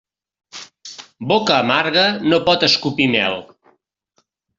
Boca amarga no pot escopir mel.